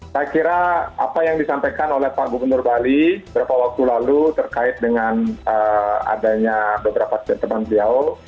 saya kira apa yang disampaikan oleh pak gubernur bali beberapa waktu lalu terkait dengan adanya beberapa statement beliau